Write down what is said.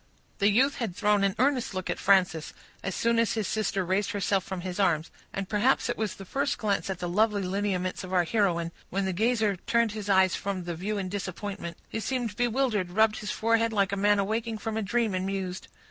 The youth had thrown an earnest look at Frances, as soon as his sister raised herself from his arms, and perhaps it was the first glance at the lovely lineaments of our heroine, when the gazer turned his eyes from the view in disappointment. He seemed bewildered, rubbed his forehead like a man awaking from a dream, and mused.